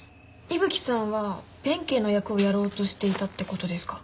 伊吹さんは弁慶の役をやろうとしていたって事ですか？